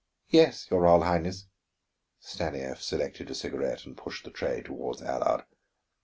"Yes, your Royal Highness." Stanief selected a cigarette and pushed the tray toward Allard.